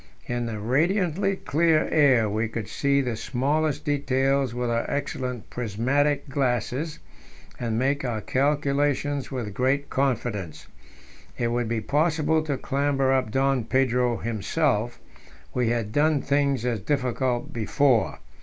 In the radiantly clear air we could see the smallest details with our excellent prismatic glasses, and make our calculations with great confidence. It would be possible to clamber up Don Pedro himself; we had done things as difficult before.